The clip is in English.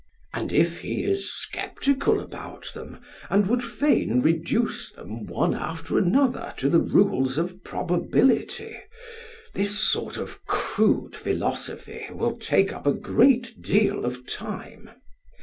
And if he is sceptical about them, and would fain reduce them one after another to the rules of probability, this sort of crude philosophy will take up a great deal of time.